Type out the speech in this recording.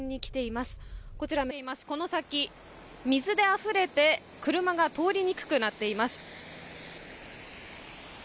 この先、水であふれて車が通りにくくなっています。